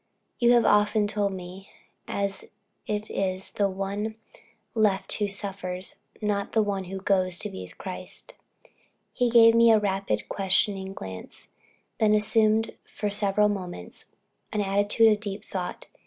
You have often told me it is the one left alone who suffers, not the one who goes to be with Christ." He gave me a rapid, questioning glance, then assumed for several moments an attitude of deep thought.